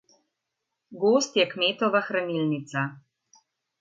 Gozd je kmetova hranilnica.